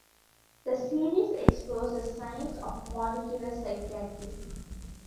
The series explores the science of molecular psychiatry.